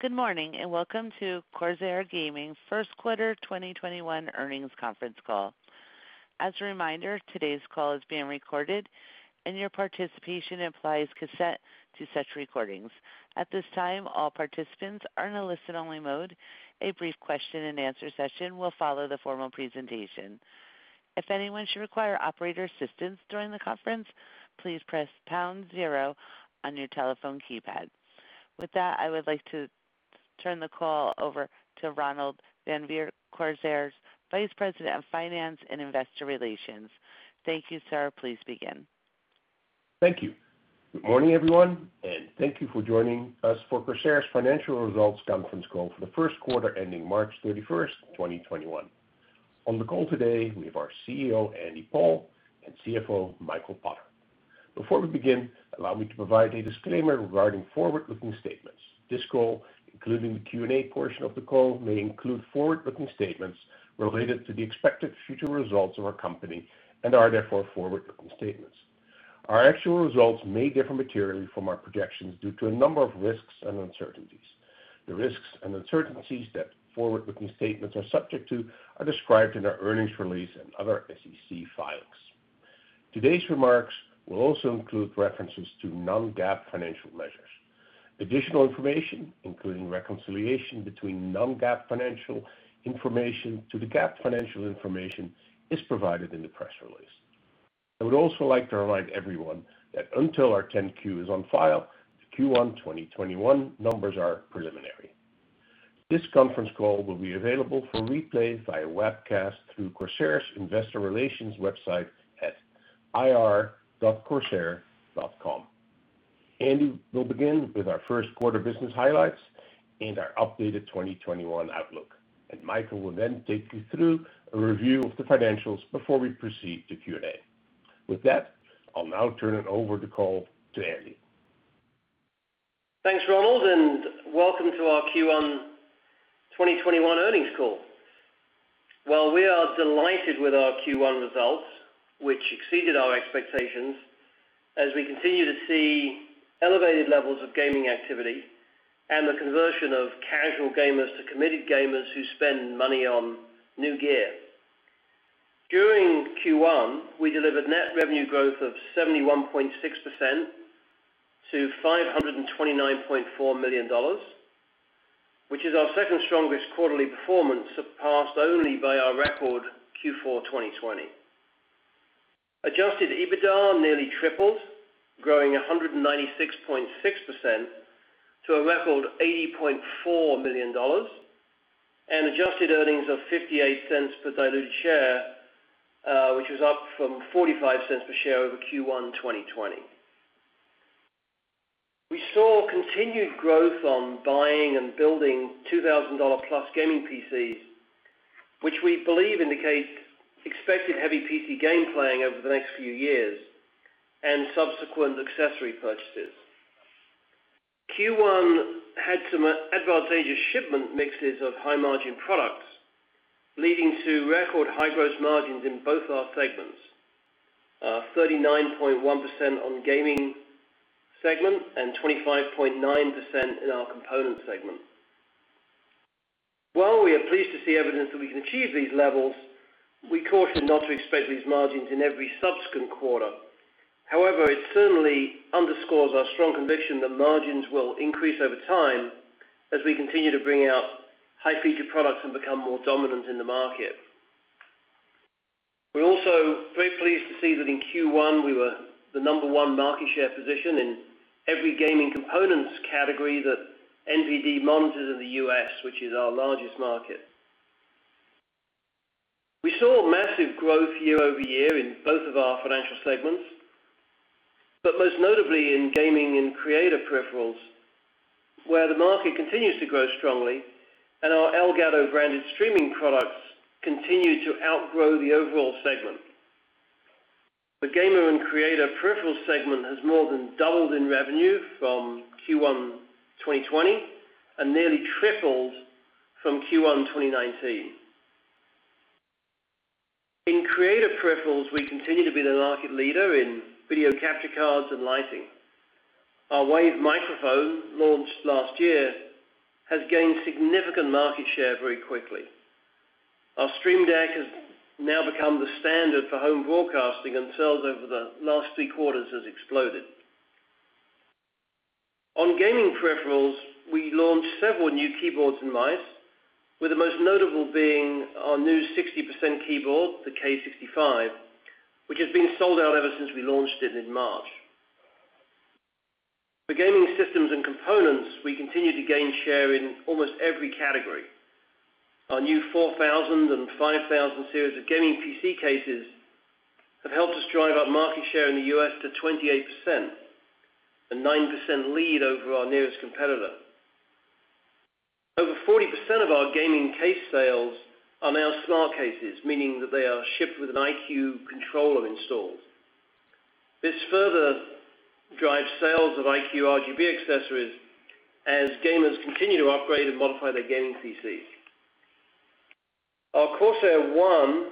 Good morning, and welcome to Corsair Gaming First Quarter 2021 Earnings Conference Call. As a reminder, today's call is being recorded, and your participation implies consent to such recordings. At this time, all participants are in a listen-only mode. A brief question and answer session will follow the formal presentation. If anyone should require operator assistance during the conference, please press pound zero on your telephone keypad. With that, I would like to turn the call over to Ronald van Veen, Corsair's Vice President Finance, Investor Relations. Thank you, sir. Please begin. Thank you. Good morning, everyone, and thank you for joining us for Corsair's Financial Results Conference Call for the First Quarter ending March 31st, 2021. On the call today, we have our CEO, Andy Paul, and CFO, Michael Potter. Before we begin, allow me to provide a disclaimer regarding forward-looking statements. This call, including the Q&A portion of the call, may include forward-looking statements related to the expected future results of our company and are therefore forward-looking statements. Our actual results may differ materially from our projections due to a number of risks and uncertainties. The risks and uncertainties that forward-looking statements are subject to are described in our earnings release and other SEC filings. Today's remarks will also include references to non-GAAP financial measures. Additional information, including reconciliation between non-GAAP financial information to the GAAP financial information, is provided in the press release. I would also like to remind everyone that until our 10-Q is on file, the Q1 2021 numbers are preliminary. This conference call will be available for replay via webcast through Corsair's investor relations website at ir.corsair.com. Andy will begin with our first quarter business highlights and our updated 2021 outlook, and Michael will then take you through a review of the financials before we proceed to Q&A. With that, I'll now turn it over the call to Andy. Thanks, Ronald, welcome to our Q1 2021 Earnings Call. Well, we are delighted with our Q1 results, which exceeded our expectations as we continue to see elevated levels of gaming activity and the conversion of casual gamers to committed gamers who spend money on new gear. During Q1, we delivered net revenue growth of 71.6% to $529.4 million, which is our second strongest quarterly performance, surpassed only by our record Q4 2020. Adjusted EBITDA nearly tripled, growing 196.6% to a record $80.4 million, adjusted earnings of $0.58 per diluted share, which was up from $0.45 per share over Q1 2020. We saw continued growth on buying and building $2,000+ gaming PCs, which we believe indicates expected heavy PC game playing over the next few years and subsequent accessory purchases. Q1 had some advantageous shipment mixes of high-margin products, leading to record high gross margins in both our segments, 39.1% on gaming segment and 25.9% in our component segment. While we are pleased to see evidence that we can achieve these levels, we caution not to expect these margins in every subsequent quarter. It certainly underscores our strong conviction that margins will increase over time as we continue to bring out high-feature products and become more dominant in the market. We're also very pleased to see that in Q1, we were the number one market share position in every gaming components category that NPD monitors in the U.S., which is our largest market. We saw massive growth year-over-year in both of our financial segments, most notably in gaming and creator peripherals, where the market continues to grow strongly and our Elgato-branded streaming products continue to outgrow the overall segment. The gamer and creator peripheral segment has more than doubled in revenue from Q1 2020 and nearly tripled from Q1 2019. In creator peripherals, we continue to be the market leader in video capture cards and lighting. Our Wave microphone, launched last year, has gained significant market share very quickly. Our Stream Deck has now become the standard for home broadcasting, sales over the last three quarters has exploded. On gaming peripherals, we launched several new keyboards and mice, with the most notable being our new 60% keyboard, the K65, which has been sold out ever since we launched it in March. For gaming systems and components, we continue to gain share in almost every category. Our new 4000 and 5000 series of gaming PC cases have helped us drive up market share in the U.S. to 28%, a 9% lead over our nearest competitor. Over 40% of our gaming case sales are now smart cases, meaning that they are shipped with an iCUE controller installed. This further drives sales of iCUE RGB accessories as gamers continue to upgrade and modify their gaming PCs. Our CORSAIR ONE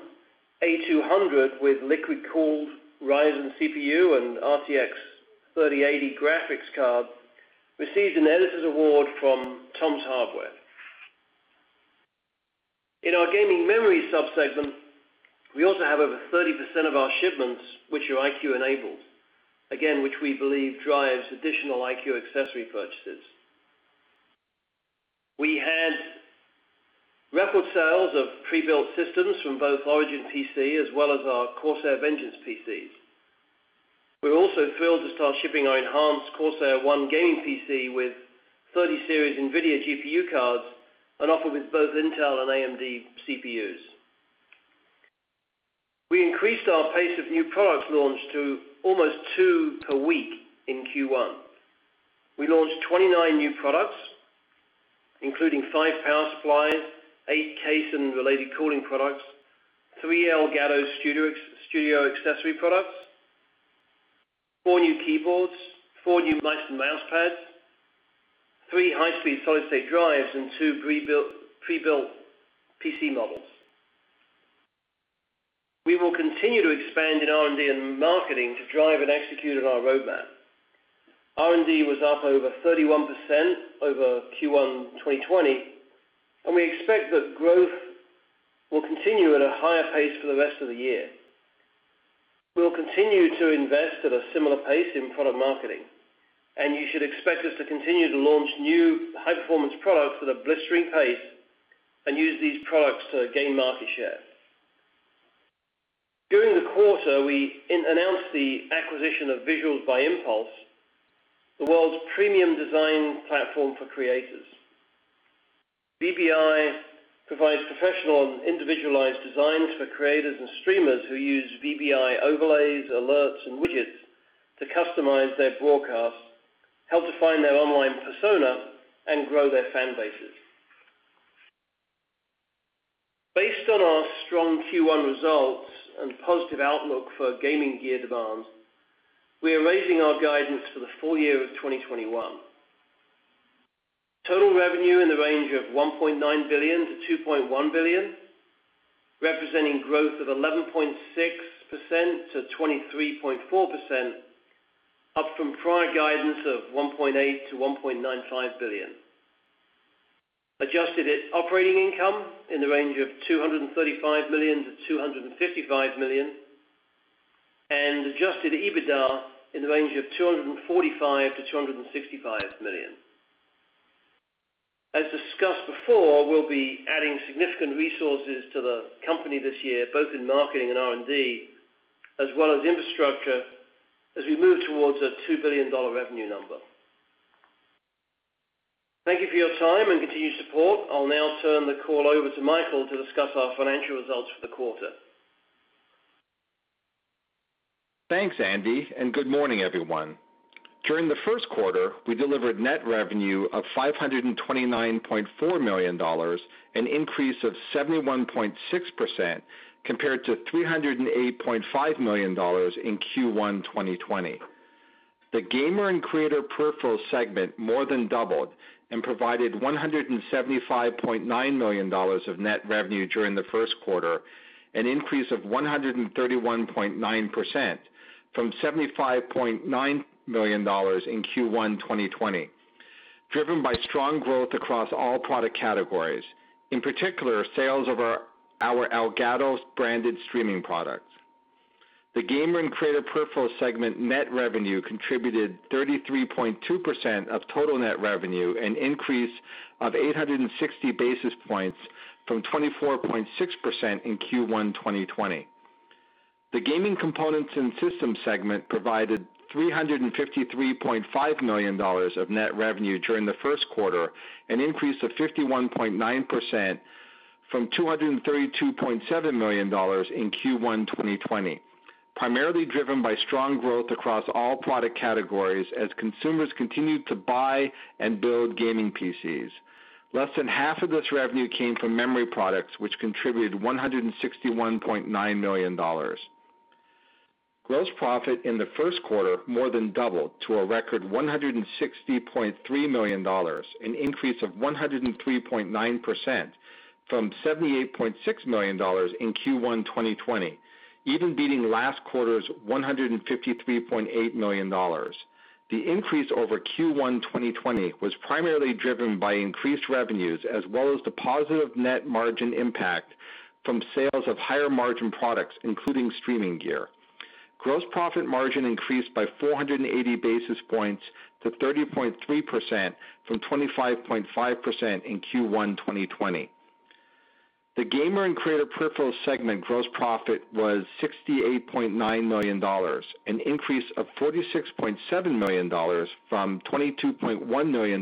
i200 with liquid-cooled Ryzen CPU and RTX 3080 graphics card received an Editor's Award from Tom's Hardware. In our gaming memory sub-segment, we also have over 30% of our shipments which are iCUE-enabled, again, which we believe drives additional iCUE accessory purchases. We had record sales of pre-built systems from both ORIGIN PC as well as our CORSAIR VENGEANCE PCs. We're also thrilled to start shipping our enhanced CORSAIR ONE gaming PC with 30-series NVIDIA GPU cards and offered with both Intel and AMD CPUs. We increased our pace of new products launched to almost two per week in Q1. We launched 29 new products, including five power supplies, eight case and related cooling products, three Elgato Studio accessory products, four new keyboards, four new mice and mouse pads, three high-speed solid-state drives, and two pre-built PC models. We will continue to expand in R&D and marketing to drive and execute on our roadmap. R&D was up over 31% over Q1 2020, and we expect that growth will continue at a higher pace for the rest of the year. We'll continue to invest at a similar pace in product marketing, and you should expect us to continue to launch new high-performance products at a blistering pace and use these products to gain market share. During the quarter, we announced the acquisition of Visuals by Impulse, the world's premium design platform for creators. VBI provides professional and individualized designs for creators and streamers who use VBI overlays, alerts, and widgets to customize their broadcasts, help define their online persona, and grow their fan bases. Based on our strong Q1 results and positive outlook for gaming gear demands, we are raising our guidance for the full year of 2021. Total revenue in the range of $1.9 billion-$2.1 billion, representing growth of 11.6%-23.4%, up from prior guidance of $1.8 billion-$1.95 billion. Adjusted operating income in the range of $235 million-$255 million, and adjusted EBITDA in the range of $245 million-$265 million. As discussed before, we'll be adding significant resources to the company this year, both in marketing and R&D, as well as infrastructure as we move towards a $2 billion revenue number. Thank you for your time and continued support. I'll now turn the call over to Michael to discuss our financial results for the quarter. Thanks, Andy. Good morning, everyone. During the first quarter, we delivered net revenue of $529.4 million, an increase of 71.6% compared to $308.5 million in Q1 2020. The gamer and creator peripherals segment more than doubled and provided $175.9 million of net revenue during the first quarter, an increase of 131.9% from $75.9 million in Q1 2020, driven by strong growth across all product categories, in particular, sales of our Elgato branded streaming products. The gamer and creator peripherals segment net revenue contributed 33.2% of total net revenue, an increase of 860 basis points from 24.6% in Q1 2020. The gaming components and system segment provided $353.5 million of net revenue during the first quarter, an increase of 51.9% from $232.7 million in Q1 2020, primarily driven by strong growth across all product categories as consumers continued to buy and build gaming PCs. Less than half of this revenue came from memory products, which contributed $161.9 million. Gross profit in the first quarter more than doubled to a record $160.3 million, an increase of 103.9% from $78.6 million in Q1 2020, even beating last quarter's $153.8 million. The increase over Q1 2020 was primarily driven by increased revenues as well as the positive net margin impact from sales of higher-margin products, including streaming gear. Gross profit margin increased by 480 basis points to 30.3% from 25.5% in Q1 2020. The gamer and creator peripherals segment gross profit was $68.9 million, an increase of $46.7 million from $22.1 million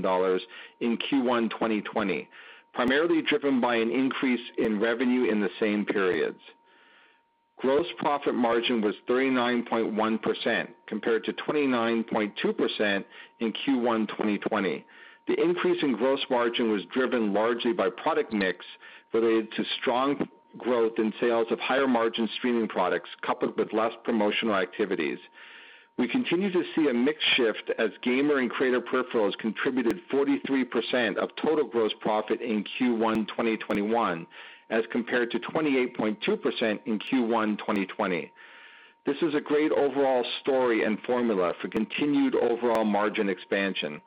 in Q1 2020, primarily driven by an increase in revenue in the same periods. Gross profit margin was 39.1% compared to 29.2% in Q1 2020. The increase in gross margin was driven largely by product mix related to strong growth in sales of higher-margin streaming products, coupled with less promotional activities. We continue to see a mix shift as gamer and creator peripherals contributed 43% of total gross profit in Q1 2021, as compared to 28.2% in Q1 2020. This is a great overall story and formula for continued overall margin expansion,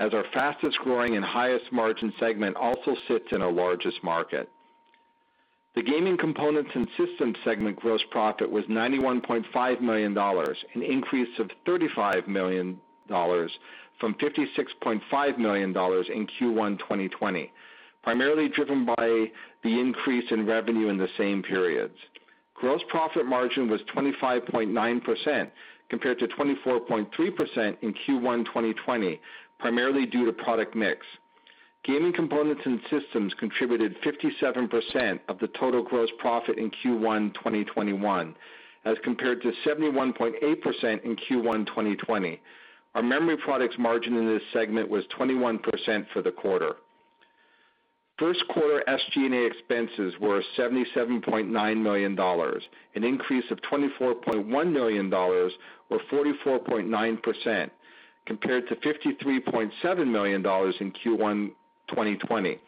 as our fastest-growing and highest margin segment also sits in our largest market. The gaming components and systems segment gross profit was $91.5 million, an increase of $35 million from $56.5 million in Q1 2020, primarily driven by the increase in revenue in the same periods. Gross profit margin was 25.9% compared to 24.3% in Q1 2020, primarily due to product mix. Gaming components and systems contributed 57% of the total gross profit in Q1 2021 as compared to 71.8% in Q1 2020. Our memory products margin in this segment was 21% for the quarter. First quarter SG&A expenses were $77.9 million, an increase of $24.1 million, or 44.9%, compared to $53.7 million in Q1 2020,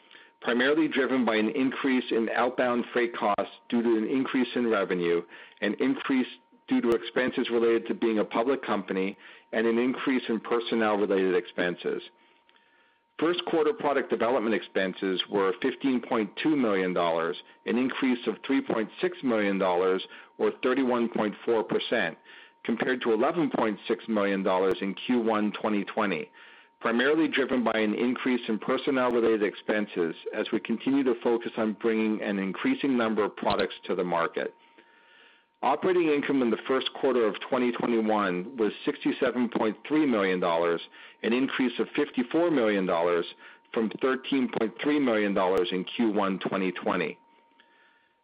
primarily driven by an increase in outbound freight costs due to an increase in revenue, an increase due to expenses related to being a public company, and an increase in personnel-related expenses. First quarter product development expenses were $15.2 million, an increase of $3.6 million or 31.4%, compared to $11.6 million in Q1 2020, primarily driven by an increase in personnel-related expenses as we continue to focus on bringing an increasing number of products to the market. Operating income in the first quarter of 2021 was $67.3 million, an increase of $54 million from $13.3 million in Q1 2020.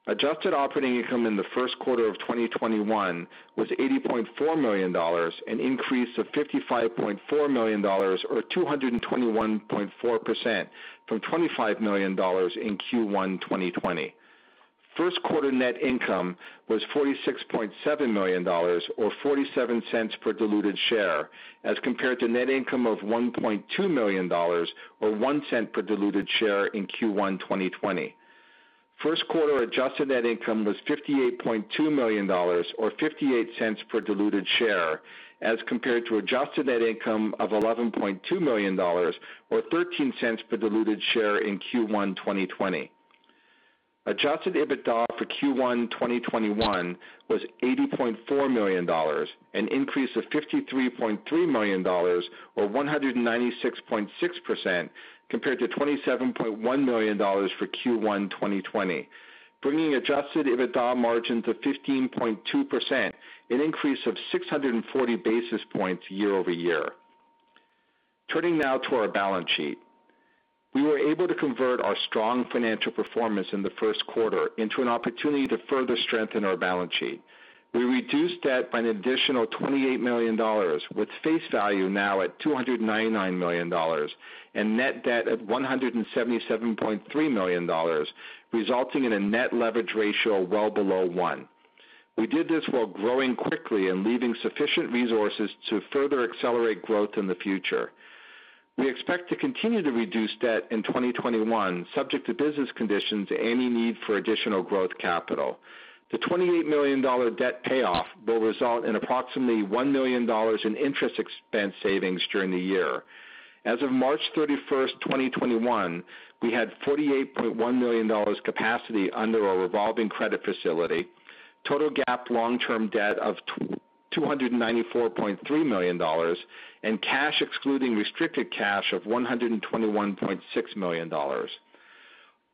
Adjusted operating income in the first quarter of 2021 was $80.4 million, an increase of $55.4 million or 221.4% from $25 million in Q1 2020. First quarter net income was $46.7 million or $0.47 per diluted share, as compared to net income of $1.2 million or $0.01 per diluted share in Q1 2020. First quarter adjusted net income was $58.2 million or $0.58 per diluted share, as compared to adjusted net income of $11.2 million or $0.13 per diluted share in Q1 2020. Adjusted EBITDA for Q1 2021 was $80.4 million, an increase of $53.3 million or 196.6%, compared to $27.1 million for Q1 2020, bringing adjusted EBITDA margin to 15.2%, an increase of 640 basis points year-over-year. Turning now to our balance sheet. We were able to convert our strong financial performance in the first quarter into an opportunity to further strengthen our balance sheet. We reduced debt by an additional $28 million with face value now at $299 million and net debt at $177.3 million, resulting in a net leverage ratio well below one. We did this while growing quickly and leaving sufficient resources to further accelerate growth in the future. We expect to continue to reduce debt in 2021, subject to business conditions and any need for additional growth capital. The $28 million debt payoff will result in approximately $1 million in interest expense savings during the year. As of March 31st, 2021, we had $48.1 million capacity under our revolving credit facility, total GAAP long-term debt of $294.3 million, and cash excluding restricted cash of $121.6 million.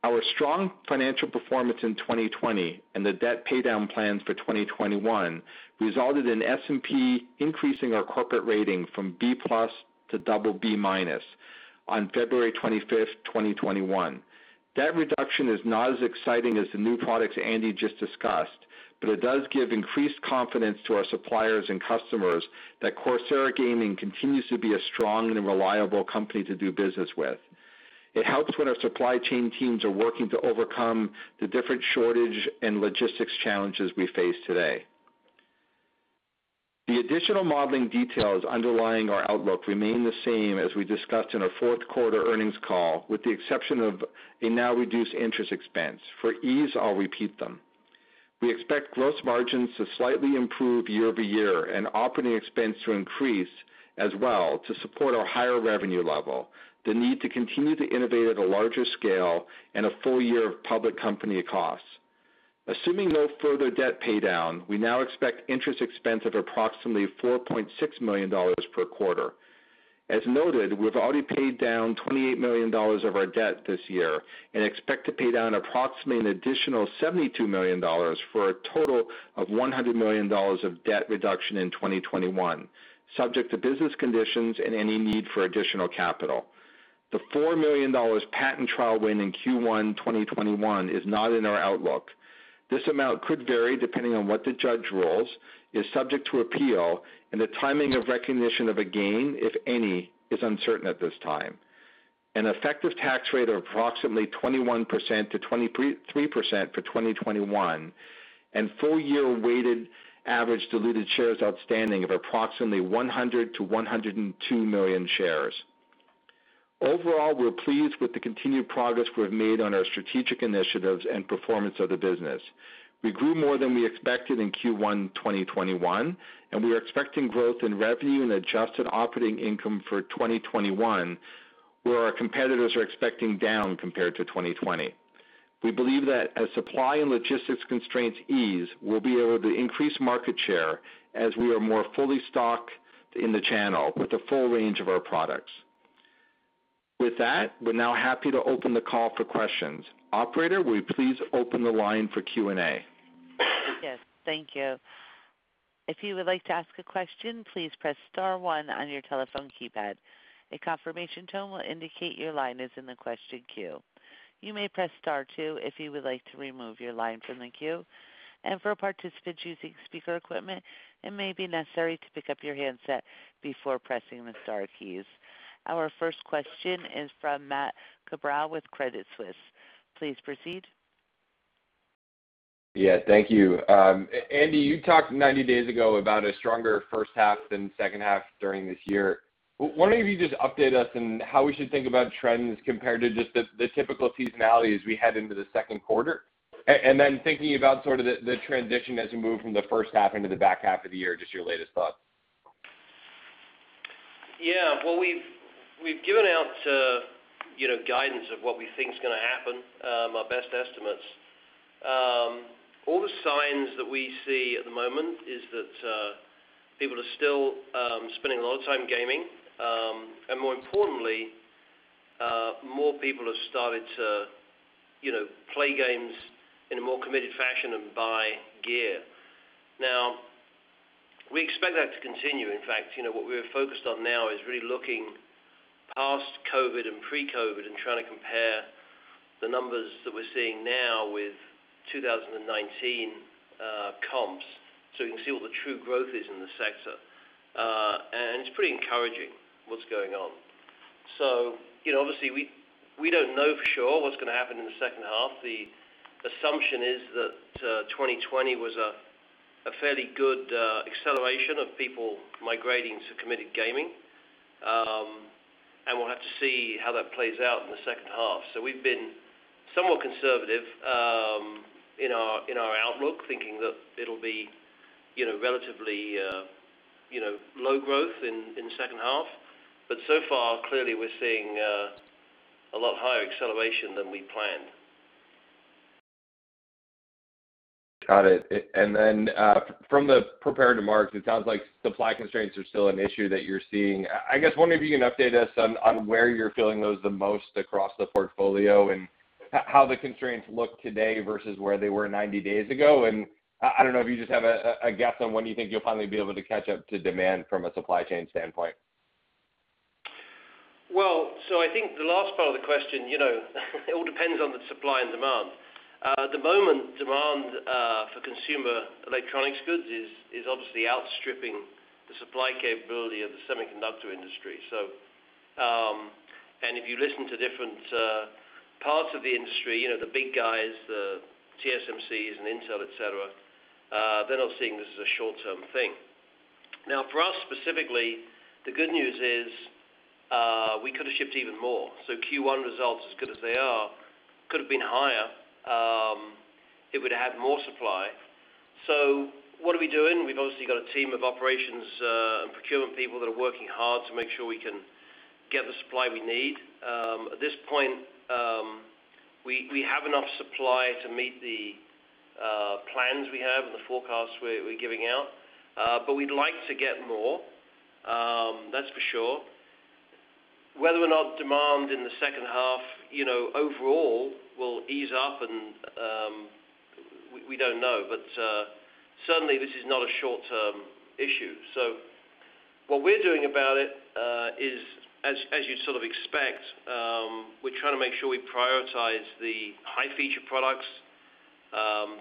Our strong financial performance in 2020 and the debt paydown plans for 2021 resulted in S&P increasing our corporate rating from B+ to BB- on February 25th, 2021. Debt reduction is not as exciting as the new products Andy just discussed, but it does give increased confidence to our suppliers and customers that Corsair Gaming continues to be a strong and reliable company to do business with. It helps when our supply chain teams are working to overcome the different shortage and logistics challenges we face today. The additional modeling details underlying our outlook remain the same as we discussed in our fourth quarter earnings call, with the exception of a now reduced interest expense. For ease, I'll repeat them. We expect gross margins to slightly improve year-over-year and operating expense to increase as well to support our higher revenue level, the need to continue to innovate at a larger scale, and a full year of public company costs. Assuming no further debt paydown, we now expect interest expense of approximately $4.6 million per quarter. As noted, we've already paid down $28 million of our debt this year and expect to pay down approximately an additional $72 million for a total of $100 million of debt reduction in 2021, subject to business conditions and any need for additional capital. The $4 million patent trial win in Q1 2021 is not in our outlook. This amount could vary depending on what the judge rules, is subject to appeal, and the timing of recognition of a gain, if any, is uncertain at this time. An effective tax rate of approximately 21%-23% for 2021, and full year weighted average diluted shares outstanding of approximately 100-102 million shares. Overall, we're pleased with the continued progress we've made on our strategic initiatives and performance of the business. We grew more than we expected in Q1 2021, and we are expecting growth in revenue and adjusted operating income for 2021, where our competitors are expecting down compared to 2020. We believe that as supply and logistics constraints ease, we'll be able to increase market share as we are more fully stocked in the channel with the full range of our products. With that, we're now happy to open the call for questions. Operator, will you please open the line for Q&A? Yes, thank you. If you would like to ask a question, please press star one on your telephone keypad. The confirmation tone will indicate your line is in the question queue. You may press star two if you would like to remove your line from the queue. For participants using speaker equipment, it may be necessary to pick up your handset before pressing the star keys. Our first question is from Matt Cabral with Credit Suisse. Please proceed. Yeah, thank you. Andy, you talked 90 days ago about a stronger first half than second half during this year. Wondering if you could just update us on how we should think about trends compared to just the typical seasonality as we head into the second quarter. Thinking about the transition as you move from the first half into the back half of the year, just your latest thoughts. Yeah. Well, we've given out guidance of what we think is going to happen, our best estimates. All the signs that we see at the moment is that people are still spending a lot of time gaming, and more importantly, more people have started to play games in a more committed fashion and buy gear. Now, we expect that to continue. In fact, what we are focused on now is really looking past COVID and pre-COVID and trying to compare the numbers that we're seeing now with 2019 comps, so we can see what the true growth is in the sector. It's pretty encouraging, what's going on. Obviously, we don't know for sure what's going to happen in the second half. The assumption is that 2020 was a fairly good acceleration of people migrating to committed gaming. We'll have to see how that plays out in the second half. We've been somewhat conservative in our outlook, thinking that it'll be relatively low growth in the second half. So far, clearly we're seeing a lot higher acceleration than we planned. Got it. From the prepared remarks, it sounds like supply constraints are still an issue that you're seeing. I guess wondering if you can update us on where you're feeling those the most across the portfolio and how the constraints look today versus where they were 90 days ago. I don't know if you just have a guess on when you think you'll finally be able to catch up to demand from a supply chain standpoint. I think the last part of the question, it all depends on the supply and demand. At the moment, demand for consumer electronics goods is obviously outstripping the supply capability of the semiconductor industry. If you listen to different parts of the industry, the big guys, the TSMCs and Intel, et cetera, they're not seeing this as a short-term thing. Now, for us specifically, the good news is we could've shipped even more. Q1 results, as good as they are, could've been higher if we'd had more supply. What are we doing? We've obviously got a team of operations and procurement people that are working hard to make sure we can get the supply we need. At this point, we have enough supply to meet the plans we have and the forecasts we're giving out. We'd like to get more, that's for sure. Whether or not demand in the second half overall will ease up, we don't know. Certainly, this is not a short-term issue. What we're doing about it is, as you sort of expect, we're trying to make sure we prioritize the high-feature products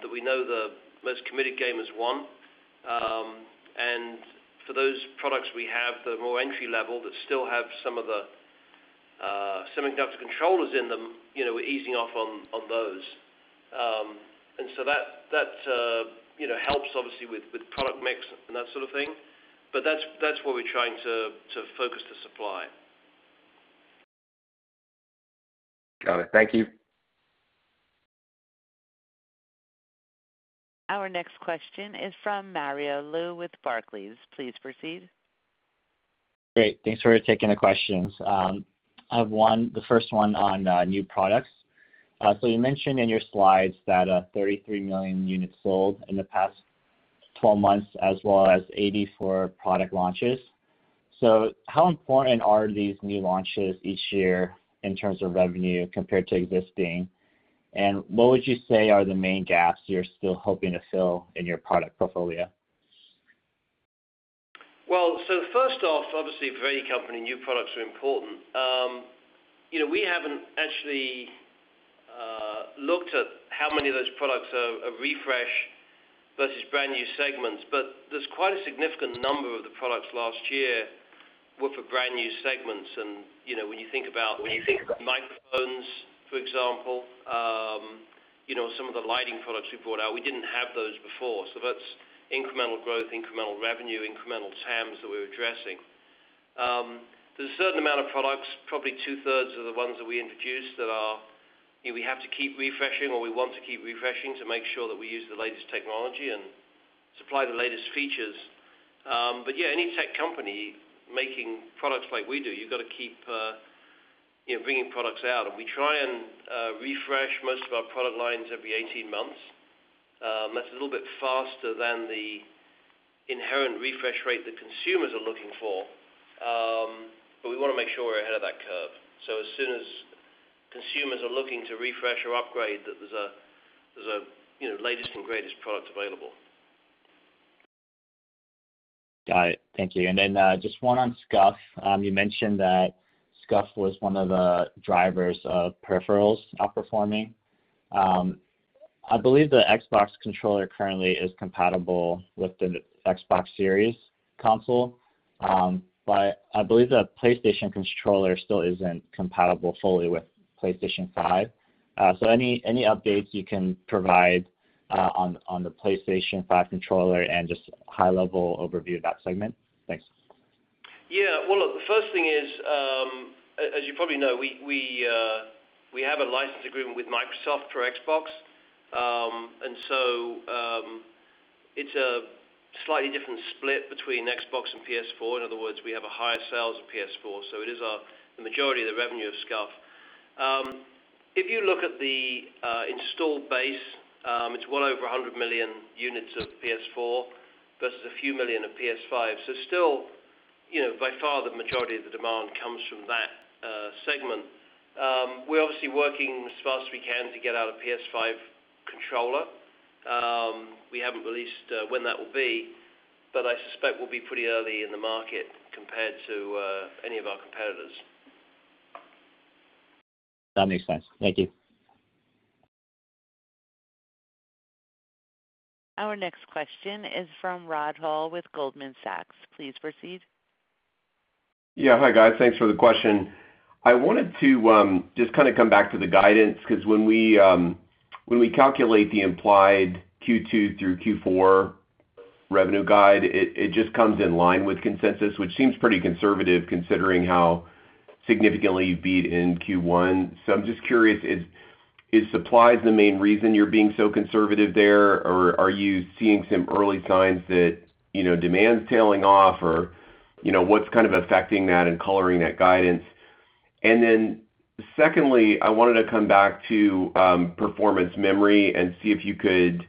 that we know the less committed gamers want. For those products we have that are more entry level that still have some of the semiconductor controllers in them, we're easing off on those. That helps obviously with product mix and that sort of thing. That's where we're trying to focus the supply. Got it. Thank you. Our next question is from Mario Lu with Barclays. Please proceed. Great. Thanks for taking the questions. I have the first one on new products. You mentioned in your slides that 33 million units sold in the past 12 months, as well as 84 product launches. How important are these new launches each year in terms of revenue compared to existing, and what would you say are the main gaps you're still hoping to fill in your product portfolio? First off, obviously for any company, new products are important. We haven't actually looked at how many of those products are refresh versus brand new segments, but there's quite a significant number of the products last year were for brand new segments. When you think about microphones, for example, some of the lighting products we brought out, we didn't have those before. That's incremental growth, incremental revenue, incremental TAMs that we're addressing. There's a certain amount of products, probably two-thirds of the ones that we introduced, that we have to keep refreshing, or we want to keep refreshing to make sure that we use the latest technology and supply the latest features. Yeah, any tech company making products like we do, you've got to keep bringing products out, and we try and refresh most of our product lines every 18 months. That's a little bit faster than the inherent refresh rate that consumers are looking for, but we want to make sure we're ahead of that curve. As soon as consumers are looking to refresh or upgrade, there's a latest and greatest product available. Got it. Thank you. Just one on SCUF. You mentioned that SCUF was one of the drivers of peripherals outperforming. I believe the Xbox controller currently is compatible with the Xbox Series console, but I believe the PlayStation controller still isn't compatible fully with PlayStation 5. Any updates you can provide on the PlayStation 5 controller and just high level overview of that segment? Thanks. Well, look, the first thing is, as you probably know, we have a license agreement with Microsoft for Xbox, and so it's a slightly different split between Xbox and PS4. In other words, we have a higher sales of PS4, so it is the majority of the revenue of SCUF. If you look at the installed base, it's well over 100 million units of PS4 versus a few million of PS5. Still, by far the majority of the demand comes from that segment. We're obviously working as fast as we can to get out a PS5 controller. We haven't released when that will be, but I suspect we'll be pretty early in the market compared to any of our competitors. That makes sense. Thank you. Our next question is from Rod Hall with Goldman Sachs. Please proceed. Yeah. Hi, guys. Thanks for the question. I wanted to just come back to the guidance because when we calculate the implied Q2 through Q4 revenue guide, it just comes in line with consensus, which seems pretty conservative considering how significantly you beat in Q1. I'm just curious, is supply the main reason you're being so conservative there, or are you seeing some early signs that demand's tailing off, or what's kind of affecting that and coloring that guidance? Secondly, I wanted to come back to performance memory and see if you could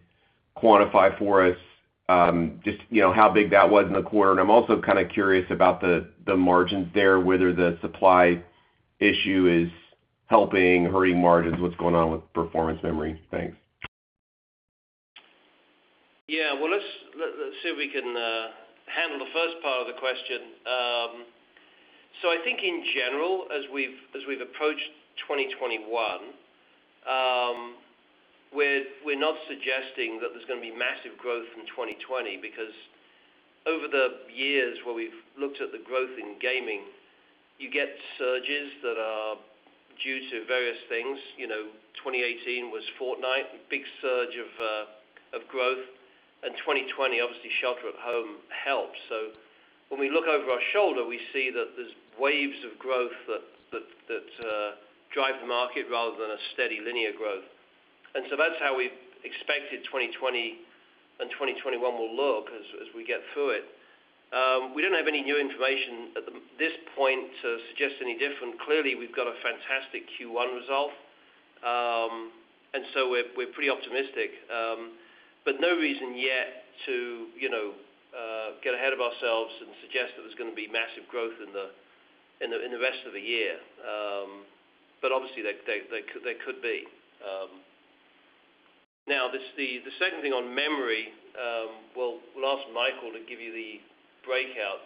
quantify for us just how big that was in the quarter. I'm also kind of curious about the margins there, whether the supply issue is helping, hurting margins, what's going on with performance memory? Thanks. Yeah. Well, let's see if we can handle the first part of the question. I think in general, as we've approached 2021, we're not suggesting that there's going to be massive growth from 2020 because over the years where we've looked at the growth in gaming, you get surges that are due to various things. 2018 was Fortnite, big surge of growth, and 2020 obviously shelter at home helped. When we look over our shoulder, we see that there's waves of growth that drive the market rather than a steady linear growth. That's how we expected 2020 and 2021 will look as we get through it. We don't have any new information at this point to suggest any different. Clearly, we've got a fantastic Q1 result. We're pretty optimistic, but no reason yet to get ahead of ourselves and suggest that there's going to be massive growth in the rest of the year. Obviously, there could be. Now, the second thing on memory, well, we'll ask Michael to give you the breakout.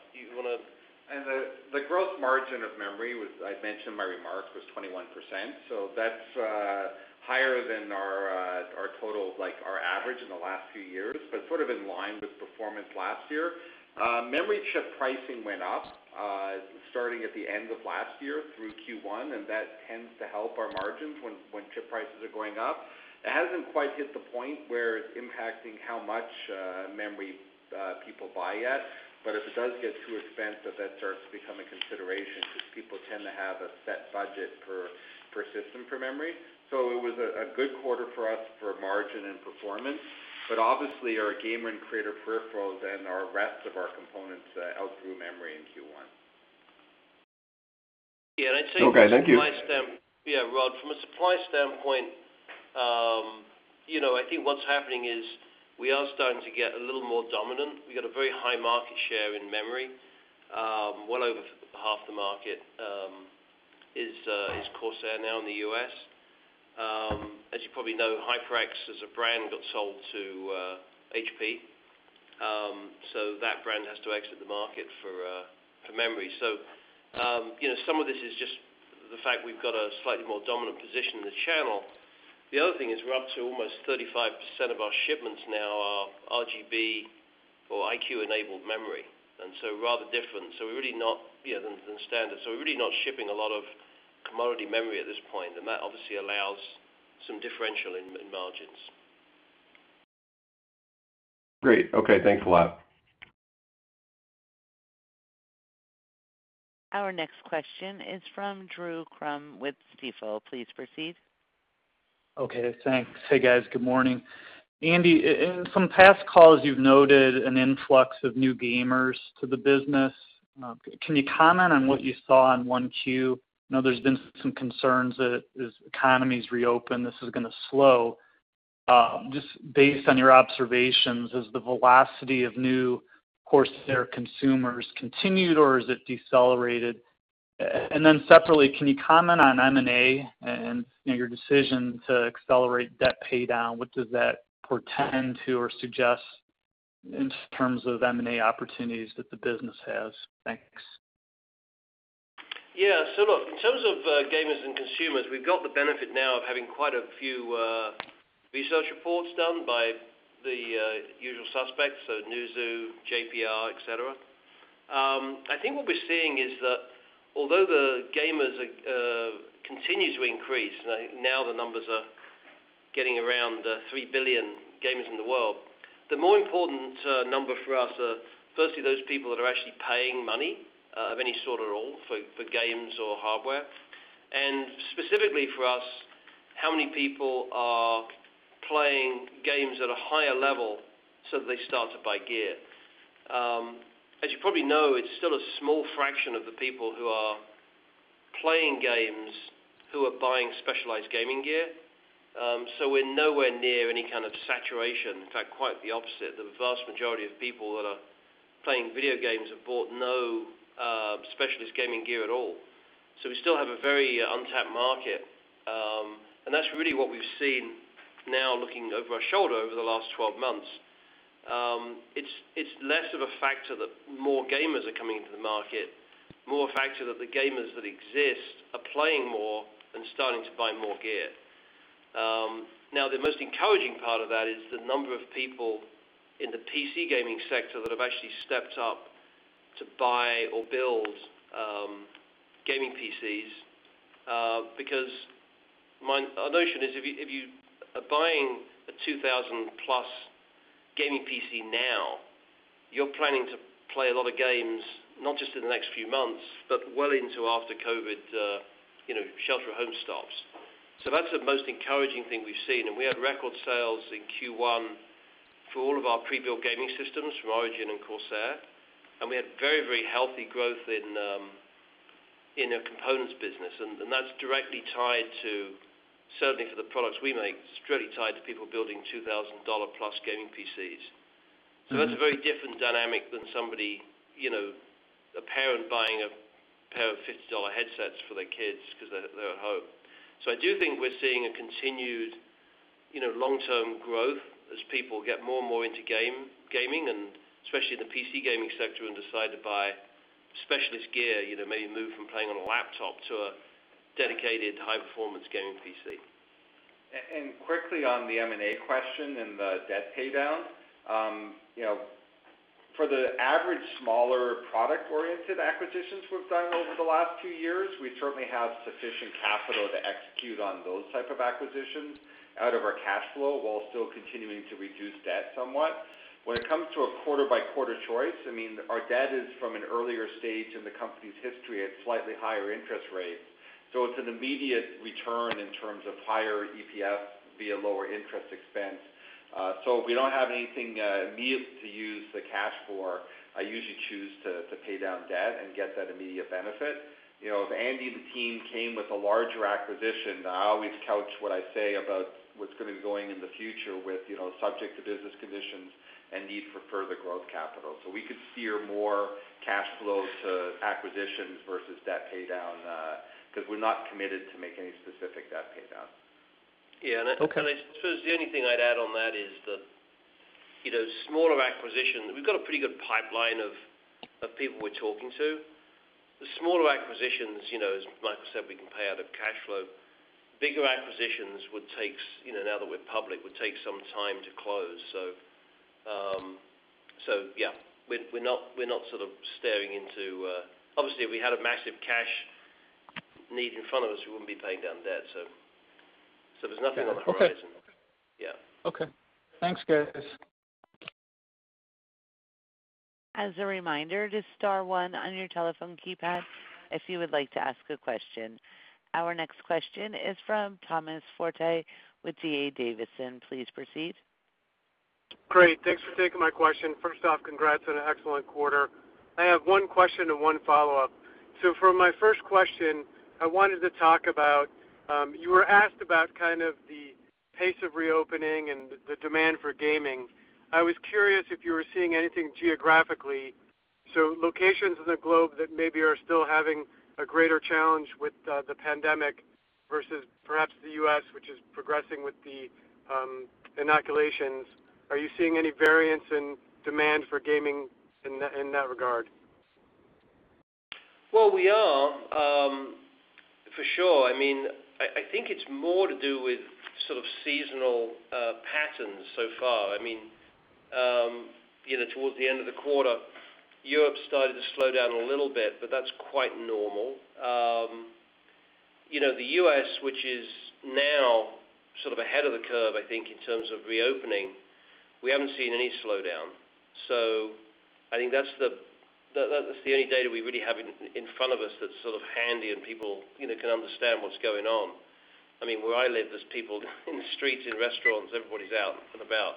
The gross margin of memory, I mentioned in my remarks, was 21%, so that's higher than our total, like our average in the last few years, but sort of in line with performance last year. Memory chip pricing went up starting at the end of last year through Q1, and that tends to help our margins when chip prices are going up. It hasn't quite hit the point where it's impacting how much memory people buy yet. If it does get too expensive, that starts to become a consideration because people tend to have a set budget per system for memory. It was a good quarter for us for margin and performance. Obviously, our gamer and creator peripherals and our rest of our components outgrew memory in Q1. Okay, thank you. Rod, from a supply standpoint, I think what's happening is we are starting to get a little more dominant. We've got a very high market share in memory. Well over half the market is Corsair now in the U.S. As you probably know, HyperX as a brand got sold to HP. That brand has to exit the market for memory. Some of this is just the fact we've got a slightly more dominant position in the channel. The other thing is we're up to almost 35% of our shipments now are RGB or iCUE-enabled memory, and so rather different than standard. We're really not shipping a lot of commodity memory at this point, and that obviously allows some differential in margins. Great. Okay, thanks a lot. Our next question is from Drew Crum with Stifel. Please proceed. Okay, thanks. Hey, guys. Good morning. Andy, in some past calls you've noted an influx of new gamers to the business. Can you comment on what you saw in 1Q? There's been some concerns that as economies reopen, this is going to slow. Just based on your observations, has the velocity of new Corsair consumers continued, or has it decelerated? Then separately, can you comment on M&A and your decision to accelerate debt paydown? What does that portend to or suggest in terms of M&A opportunities that the business has? Thanks. Yeah. Look, in terms of gamers and consumers, we've got the benefit now of having quite a few research reports done by the usual suspects, Newzoo, JPR, et cetera. I think what we're seeing is that although the gamers continue to increase, now the numbers are getting around 3 billion gamers in the world, the more important number for us are firstly those people that are actually paying money of any sort at all for games or hardware, and specifically for us, how many people are playing games at a higher level so that they start to buy gear. As you probably know, it's still a small fraction of the people who are playing games who are buying specialized gaming gear. We're nowhere near any kind of saturation. In fact, quite the opposite. The vast majority of people that are playing video games have bought no specialist gaming gear at all. We still have a very untapped market. That's really what we've seen now, looking over our shoulder over the last 12 months. It's less of a factor that more gamers are coming into the market, more a factor that the gamers that exist are playing more and starting to buy more gear. The most encouraging part of that is the number of people in the PC gaming sector that have actually stepped up to buy or build gaming PCs, because my notion is if you are buying a $2,000+ gaming PC now, you're planning to play a lot of games, not just in the next few months, but well into after COVID shelter at home stops. That's the most encouraging thing we've seen, and we had record sales in Q1 for all of our pre-built gaming systems from Origin and Corsair, and we had very healthy growth in the components business, and that's directly tied to, certainly for the products we make, it's directly tied to people building $2,000+ gaming PCs. That's a very different dynamic than a parent buying a pair of $50 headsets for their kids because they're at home. I do think we're seeing a continued long-term growth as people get more and more into gaming and especially in the PC gaming sector and decide to buy specialist gear, may move from playing on a laptop to a dedicated high-performance gaming PC. Quickly on the M&A question and the debt paydown. For the average smaller product-oriented acquisitions we've done over the last two years, we certainly have sufficient capital to execute on those type of acquisitions out of our cash flow while still continuing to reduce debt somewhat. When it comes to a quarter-by-quarter choice, our debt is from an earlier stage in the company's history at slightly higher interest rates. It's an immediate return in terms of higher EPS via lower interest expense. If we don't have anything immediate to use the cash for, I usually choose to pay down debt and get that immediate benefit. If Andy and the team came with a larger acquisition, I always couch what I say about what's going to be going in the future with subject to business conditions and need for further growth capital. We could steer more cash flow to acquisitions versus debt paydown, because we're not committed to make any specific debt paydown. Yeah. Okay. I suppose the only thing I'd add on that is that, smaller acquisitions, we've got a pretty good pipeline of people we're talking to. The smaller acquisitions, as Michael said, we can pay out of cash flow. Bigger acquisitions, now that we're public, would take some time to close. Yeah. Obviously, if we had a massive cash need in front of us, we wouldn't be paying down debt. There's nothing on the horizon. Okay. Yeah. Okay. Thanks, guys. As a reminder, just star one on your telephone keypad if you would like to ask a question. Our next question is from Thomas Forte with D.A. Davidson. Please proceed. Great. Thanks for taking my question. First off, congrats on an excellent quarter. I have one question and one follow-up. For my first question, I wanted to talk about, you were asked about the pace of reopening and the demand for gaming. I was curious if you were seeing anything geographically, locations in the globe that maybe are still having a greater challenge with the pandemic versus perhaps the U.S., which is progressing with the inoculations, are you seeing any variance in demand for gaming in that regard? Well, we are, for sure. I think it's more to do with sort of seasonal patterns so far. Towards the end of the quarter, Europe started to slow down a little bit. That's quite normal. The U.S., which is now sort of ahead of the curve, I think, in terms of reopening, we haven't seen any slowdown. I think that's the only data we really have in front of us that's sort of handy and people can understand what's going on. Where I live, there's people in the streets, in restaurants, everybody's out and about,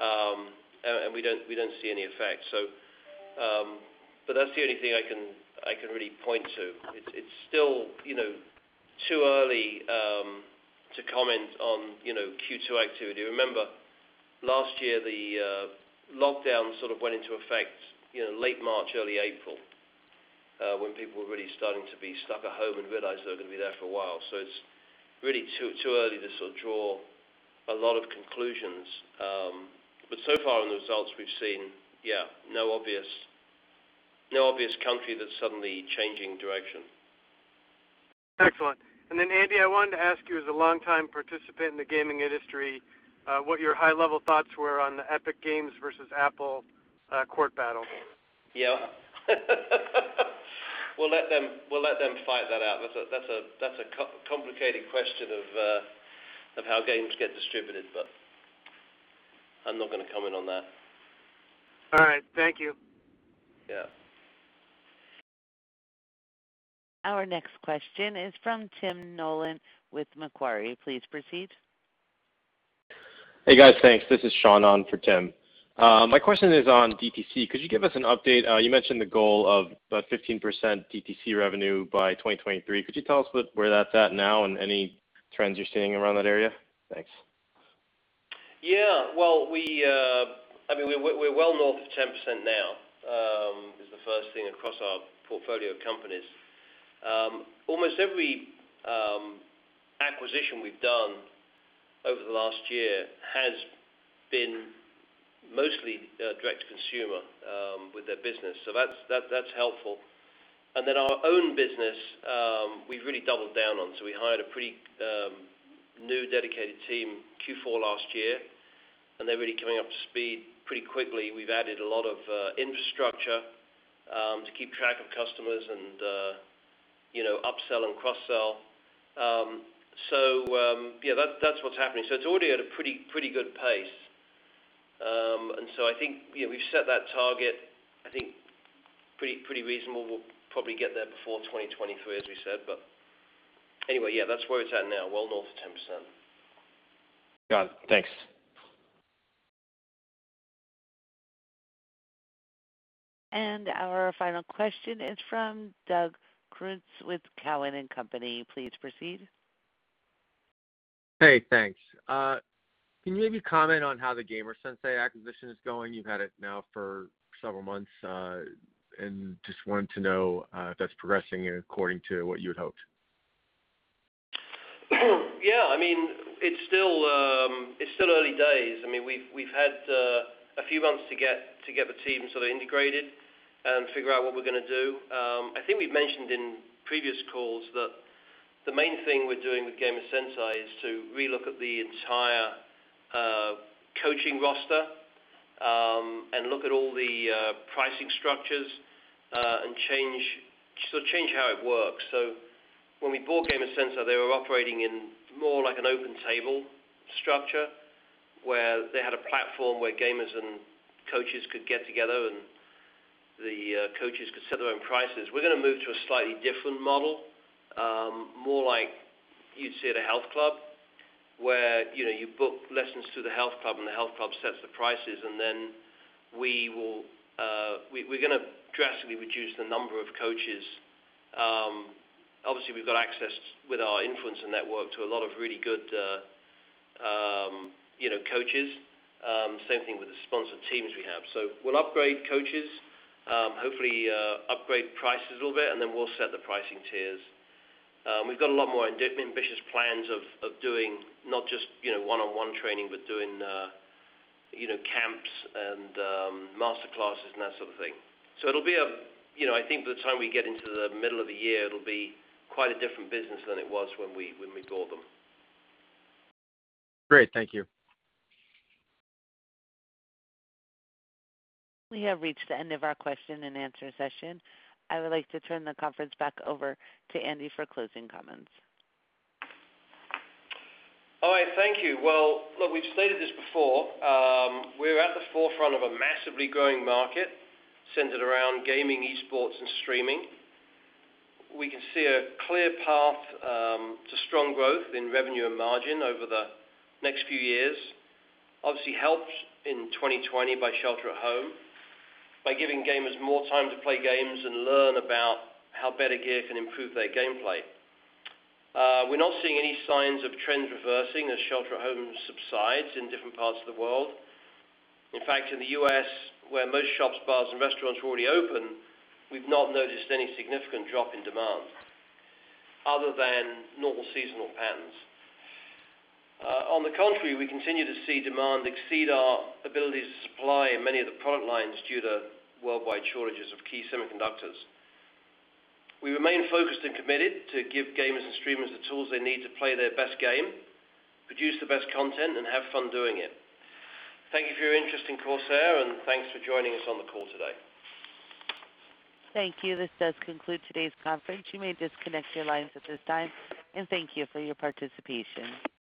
and we don't see any effect. That's the only thing I can really point to. It's still too early to comment on Q2 activity. Remember, last year the lockdown sort of went into effect late March, early April, when people were really starting to be stuck at home and realized they were going to be there for a while. It's really too early to sort of draw a lot of conclusions. So far in the results we've seen, yeah, no obvious country that's suddenly changing direction. Excellent. Andy, I wanted to ask you, as a longtime participant in the gaming industry, what your high-level thoughts were on the Epic Games versus Apple court battle? Yeah. We'll let them fight that out. That's a complicated question of how games get distributed, but I'm not going to comment on that. All right. Thank you. Yeah. Our next question is from Tim Nollen with Macquarie. Please proceed. Hey, guys. Thanks. This is Sean on for Tim. My question is on DTC. Could you give us an update? You mentioned the goal of about 15% DTC revenue by 2023. Could you tell us where that's at now and any trends you're seeing around that area? Thanks. Well, we're well north of 10% now, is the first thing, across our portfolio of companies. Almost every acquisition we've done over the last year has been mostly direct-to-consumer with their business. That's helpful. Then our own business, we've really doubled down on. We hired a pretty new dedicated team Q4 last year, and they're really coming up to speed pretty quickly. We've added a lot of infrastructure to keep track of customers and upsell and cross-sell. Yeah, that's what's happening. It's already at a pretty good pace. I think we've set that target, I think pretty reasonable. We'll probably get there before 2023, as we said. Anyway, yeah, that's where it's at now, well north of 10%. Got it. Thanks. Our final question is from Doug Creutz with Cowen and Company. Please proceed. Hey, thanks. Can you maybe comment on how the Gamer Sensei acquisition is going? You've had it now for several months, and just wanted to know if that's progressing according to what you had hoped. Yeah. It's still early days. We've had a few months to get the team sort of integrated and figure out what we're going to do. I think we've mentioned in previous calls that the main thing we're doing with Gamer Sensei is to re-look at the entire coaching roster, and look at all the pricing structures, and change how it works. When we bought Gamer Sensei, they were operating in more like an OpenTable structure, where they had a platform where gamers and coaches could get together, and the coaches could set their own prices. We're going to move to a slightly different model, more like you'd see at a health club, where you book lessons through the health club and the health club sets the prices. We're going to drastically reduce the number of coaches. Obviously, we've got access with our influencer network to a lot of really good coaches. Same thing with the sponsored teams we have. We'll upgrade coaches, hopefully upgrade prices a little bit, and then we'll set the pricing tiers. We've got a lot more ambitious plans of doing not just one-on-one training, but doing camps and master classes, and that sort of thing. I think by the time we get into the middle of the year, it'll be quite a different business than it was when we bought them. Great. Thank you. We have reached the end of our question and answer session. I would like to turn the conference back over to Andy for closing comments. All right. Thank you. Well, look, we've stated this before. We're at the forefront of a massively growing market centered around gaming, esports, and streaming. We can see a clear path to strong growth in revenue and margin over the next few years, obviously helped in 2020 by shelter at home, by giving gamers more time to play games and learn about how better gear can improve their gameplay. We're not seeing any signs of trends reversing as shelter at home subsides in different parts of the world. In fact, in the U.S., where most shops, bars, and restaurants are already open, we've not noticed any significant drop in demand other than normal seasonal patterns. On the contrary, we continue to see demand exceed our ability to supply in many of the product lines due to worldwide shortages of key semiconductors. We remain focused and committed to give gamers and streamers the tools they need to play their best game, produce the best content, and have fun doing it. Thank you for your interest in Corsair, and thanks for joining us on the call today. Thank you. This does conclude today's conference. You may disconnect your lines at this time, and thank you for your participation.